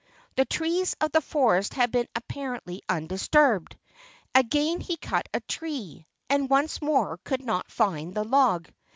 The trees of the forest had been apparently undisturbed. Again he cut a tree, and once more could not find the log.